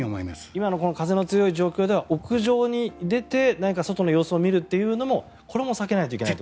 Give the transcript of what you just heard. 今のこの風の強い状況では屋上に出て何か外の様子を見るというのもこれも避けないといけない。